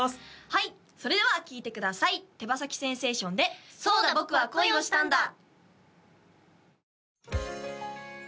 はいそれでは聴いてください手羽先センセーションで「そうだ、僕は恋をしたんだ。」